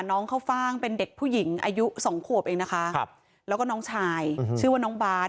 เข้าฟ่างเป็นเด็กผู้หญิงอายุสองขวบเองนะคะแล้วก็น้องชายชื่อว่าน้องบาท